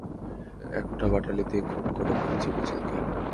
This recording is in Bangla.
একটা বাটালি দিয়ে খুন করে ফেলেছে মিচেলকে।